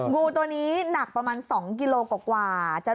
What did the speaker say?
งูตัวนี้หนักประมาณ๒กิโลกว่า